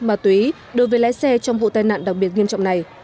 mà tùy ý đối với lẽ xe trong vụ tai nạn đặc biệt nghiêm trọng này